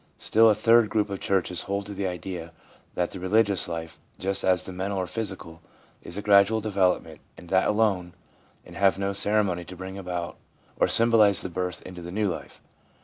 Still a third group of churches hold to the idea that the religious life, just as the mental or physical, is a gradual development and that alone, and have no ceremony to bring about or symbolise the birth into the new life.